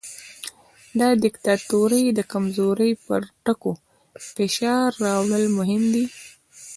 د دیکتاتورۍ د کمزورۍ پر ټکو فشار راوړل مهم دي.